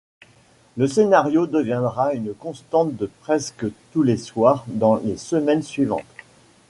Le scénario deviendra une constante de presque tous les soirs dans les semaines suivantes.